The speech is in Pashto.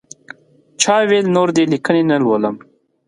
چا ویل نور دې لیکنې نه لولم.